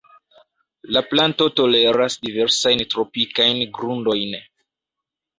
La planto toleras diversajn tropikajn grundojn.